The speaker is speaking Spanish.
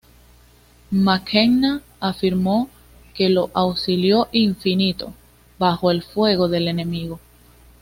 Mackenna afirmó que lo ""auxilió infinito...bajo el fuego del enemigo"".